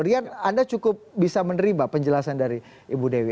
rian anda cukup bisa menerima penjelasan dari ibu dewi